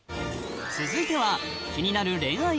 続いては気になるあら！